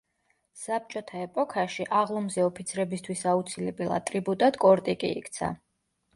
საბჭოთა ეპოქაში, აღლუმზე ოფიცრებისთვის აუცილებელ ატრიბუტად კორტიკი იქცა.